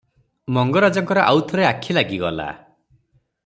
ମଙ୍ଗରାଜଙ୍କର ଆଉ ଥରେ ଆଖି ଲାଗିଗଲା ।